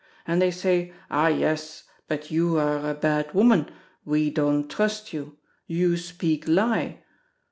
And they say: 'Ah! yes; but you are a bad woman, we don' trust you—you speak lie.'